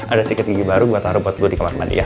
ada sedikit gigi baru buat taruh buat gue di kamar mandi ya